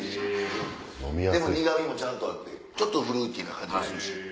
でも苦味もちゃんとあってちょっとフルーティーな感じ。